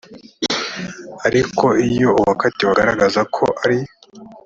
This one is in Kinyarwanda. ariko iyo uwakatiwe agaragaza ko ari